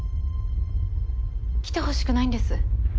来てほしくないんです。